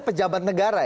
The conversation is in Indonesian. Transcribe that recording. pejabat negara ya